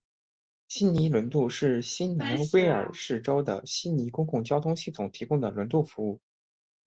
悉尼轮渡是新南威尔士州的悉尼公共交通系统提供的轮渡服务。